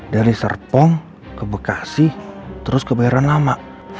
dari serpong ke bekasi terus kebayoran lama